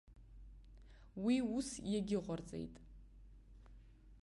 Уи ус иагьыҟарҵеит.